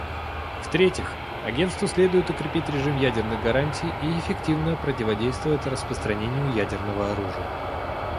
В-третьих, Агентству следует укрепить режим ядерных гарантий и эффективно противодействовать распространению ядерного оружия.